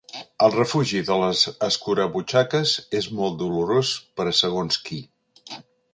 El refugi de les escurabutxaques és molt dolorós per a segons qui.